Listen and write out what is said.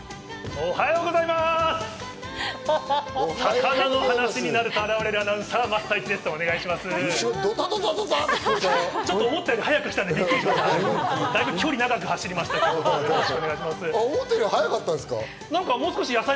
お魚の話になると現れる、アナウンサー・桝太一です。